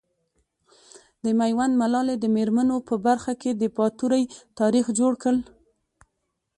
د ميوند ملالي د مېرمنو په برخه کي د باتورئ تاريخ جوړ کړ .